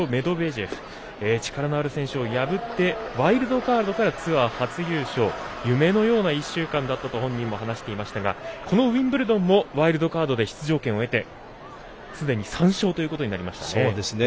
ジェフ力のある選手を破ってワイルドカードからツアー優勝夢のような１週間だったと本人も話していましたがこのウィンブルドンもワイルドカードで出場権を得て３勝目ということになりましたね。